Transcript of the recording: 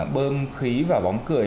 bơm khí vào bóng cười